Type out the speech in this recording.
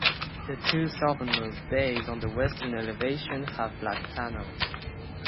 The two southernmost bays on the western elevation have black panels.